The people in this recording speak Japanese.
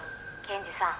検事さん」